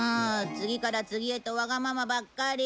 次から次へとわがままばっかり。